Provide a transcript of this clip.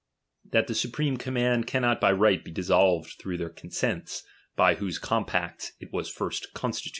That the supreme command cannot by right be dissolved through their consents, by whose compacts it was lirst constituted.